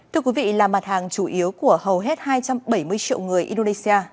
thưa quý vị là mặt hàng chủ yếu của hầu hết hai trăm bảy mươi triệu người indonesia